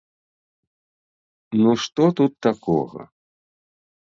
Ну што тут такога?